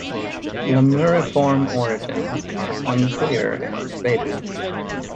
Lemuriform origins are unclear and debated.